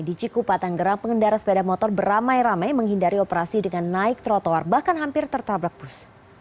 di cikupa tanggerang pengendara sepeda motor beramai ramai menghindari operasi dengan naik trotoar bahkan hampir tertabrak bus